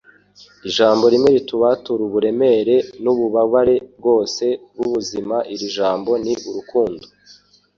Ijambo rimwe ritubatura uburemere n'ububabare bwose bw'ubuzima: Iri jambo ni urukundo.”